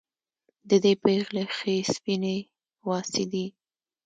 د دې پېغلې ښې سپينې واڅې دي